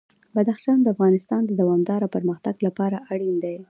بدخشان د افغانستان د دوامداره پرمختګ لپاره اړین دي.